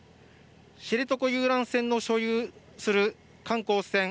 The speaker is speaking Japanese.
知床遊覧船の所有する観光船